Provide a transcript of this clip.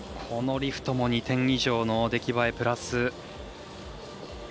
このリフトも２点以上の出来栄え、プラス。